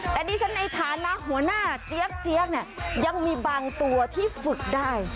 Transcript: แต่นี่ฉันไอ้ฐานนะหัวหน้าเจี๊ยกยังมีบางตัวที่ฝึกได้